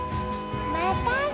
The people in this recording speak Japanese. またね！